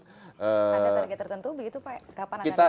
ada target tertentu begitu pak